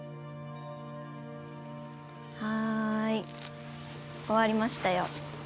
はいおわりましたよ。